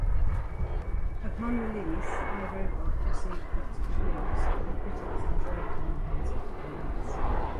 Upon release, "I, Robot" received mixed reviews, though critics enjoyed Moynahan's performance.